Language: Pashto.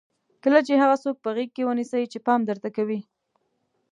کله چې هغه څوک په غېږ ونیسئ چې پام درته کوي.